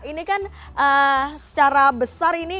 ini kan secara besar ini